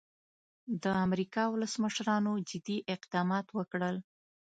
د امریکا ولسمشرانو جدي اقدامات وکړل.